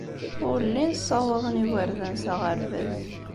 Ur llin ssawaḍen igerdan s aɣerbaz.